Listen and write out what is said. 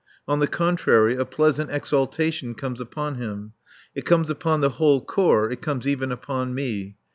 On the contrary, a pleasant exaltation comes upon him. It comes upon the whole Corps, it comes even upon me.